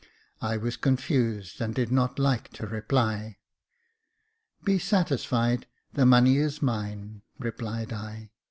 I was con fused and did not like to reply. " Be satisfied, the money is mine," replied I.